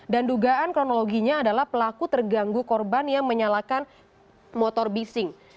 dan dugaan kronologinya adalah pelaku terganggu korban yang menyalakan motor bisik